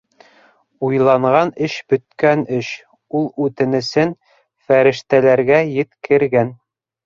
Уйланған эш - бөткән эш, ул үтенесен фәрештәләргә еткергән.